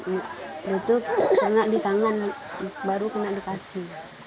itu kena di tangan baru kena di kaki